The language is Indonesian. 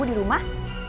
aku di rumah